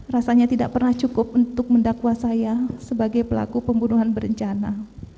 rasanya tidak pernah cukup untuk mendakwa saya sebagai pelaku pembunuhan berencana